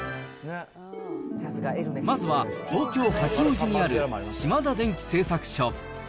まずは、東京・八王子にある島田電機製作所。